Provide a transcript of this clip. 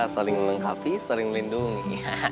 saling melengkapi saling melindungi